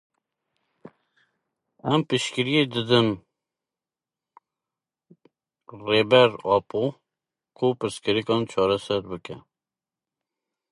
Em piştgiriyê didin hikûmeteke ku pirsgirêkan çareser bike.